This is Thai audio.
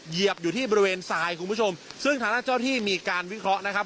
เหยียบอยู่ที่บริเวณทรายคุณผู้ชมซึ่งทางด้านเจ้าที่มีการวิเคราะห์นะครับ